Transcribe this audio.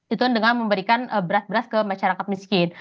itu dengan memberikan beras beras ke masyarakat miskin